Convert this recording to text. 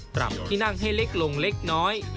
ปรับที่นั่งให้เล็กลงเล็กน้อย